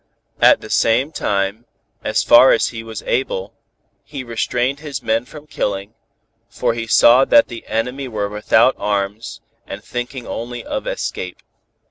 At the same time, as far as he was able, he restrained his men from killing, for he saw that the enemy were without arms, and thinking only of escape.